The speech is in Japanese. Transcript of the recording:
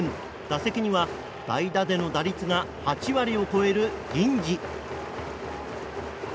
打席には代打での打率が８割を超える銀次。